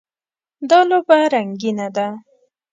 دا لوبه رنګینه ده.